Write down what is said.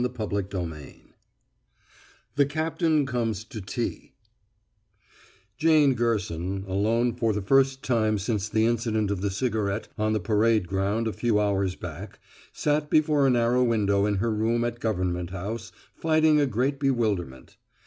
CHAPTER XIV THE CAPTAIN COMES TO TEA Jane Gerson, alone for the first time since the incident of the cigarette on the parade ground a few hours back, sat before a narrow window in her room at Government House, fighting a great bewilderment.